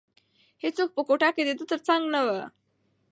هیڅوک په کوټه کې د ده تر څنګ نه وو.